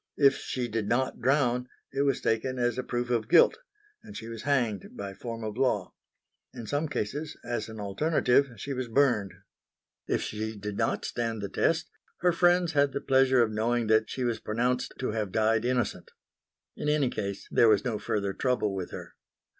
If she did not drown, it was taken as a proof of guilt; and she was hanged by form of law. In some cases, as an alternative, she was burned. If she did not stand the test her friends had the pleasure of knowing that she was pronounced to have died innocent. In any case there was no further trouble with her.